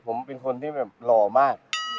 ผมเป็นคนที่แบบหล่อมาก